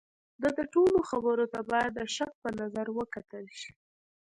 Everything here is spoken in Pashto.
د ده ټولو خبرو ته باید د شک په نظر وکتل شي.